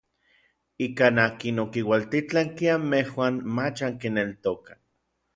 Ikan akin okiualtitlanki anmejuan mach ankineltokaj.